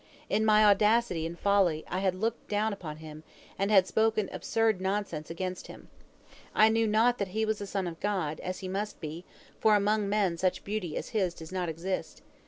In my audacity and folly I had looked down upon him, and had spoken absurd nonsense against him. I knew not that he was a son of God, as he must be, for among men such beauty as his does not exist.